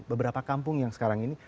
beberapa kampung yang sekarang ini